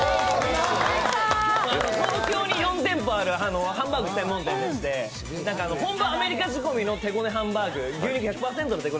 東京に４店舗あるハンバーグ専門店でして本場アメリカ仕込みの牛肉１００％の手ごね